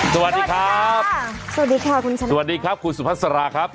สวัสดีครับสวัสดีครับสวัสดีครับสวัสดีครับครูสุภัสราครับ